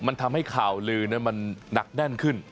มันทำให้ข่าวลือมันหนักแน่นขึ้น